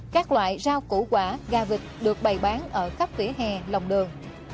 các loại rau củ quả gà vịt được bày bán ở khắp vỉa hè lòng đường